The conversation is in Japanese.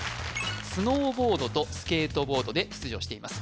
スノーボードとスケートボードで出場しています